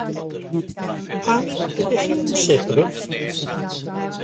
Pam ydych chi'n sibrwd?